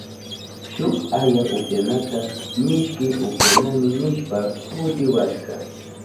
Shuk aya upyanata mishki upyanami nishpa hudiwashka.